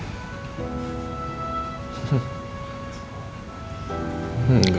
cukup keras morning